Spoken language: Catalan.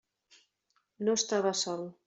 No estava sol.